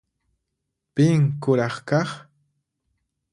Pin kuraq kaq?